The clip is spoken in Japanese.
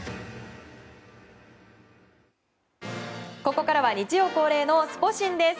ここからは日曜恒例のスポ神です。